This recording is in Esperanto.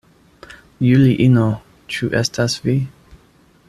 Juliino, ĉu estas vi?